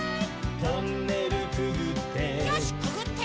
「トンネルくぐって」